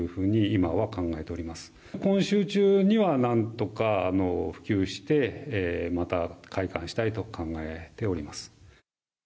今週中にはなんとか復旧してまた開館したいと考えております。